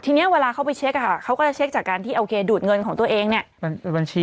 ทีนี้เวลาเขาไปเช็คเขาก็จะเช็คจากการที่โอเคดูดเงินของตัวเองเนี่ย